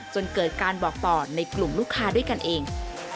จนเกิดการบอกต่อในกลุ่มลูกค้าด้วยกันเอง